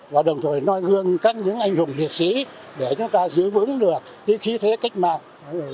và đồng thời noi gương các những anh hùng liệt sĩ để chúng ta giữ vững được khí thế cách mạng